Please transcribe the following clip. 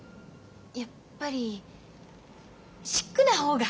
やっぱりシックな方が。